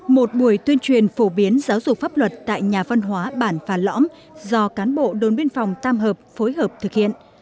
một buổi tuyên truyền phổ biến giáo dục pháp luật tại nhà văn hóa bản phà lõm do cán bộ đồn biên phòng tam hợp phối hợp thực hiện